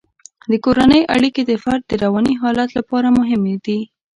د کورنۍ اړیکې د فرد د رواني حالت لپاره مهمې دي.